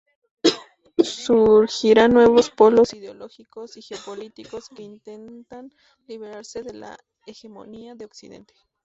Surgirán nuevos polos ideológicos y geopolíticos, que intentan liberarse de la hegemonía de Occidente".